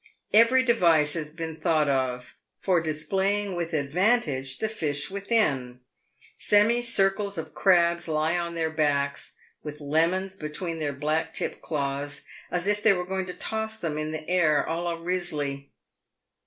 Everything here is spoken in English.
Every device has been thought of for displaying with advantage the fish within ; semi circles of crabs lie on their backs with lemons between their black tipped claws, as if they were going to toss them in the air a la Risley.